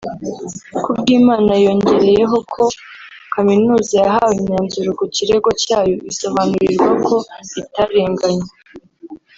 Kubwimana yongereyeho ko Kaminuza yahawe imyanzuro ku kirego cyayo isobanurirwa ko itarenganye